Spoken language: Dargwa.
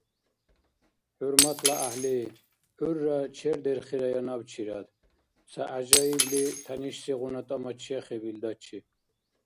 – ХӀурматла гӀяхӀли, гӀурра чердерхирая набчирад, – ца гӀяжаибли тянишсигъуна тӀама чехиб илдачи.